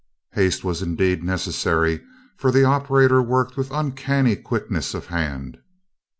Haste was indeed necessary for the operator worked with uncanny quickness of hand.